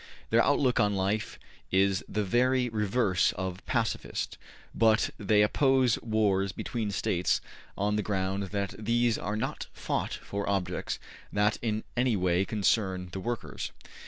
Their outlook on life is the very reverse of pacifist, but they oppose wars between States on the ground that these are not fought for objects that in any way concern the workers.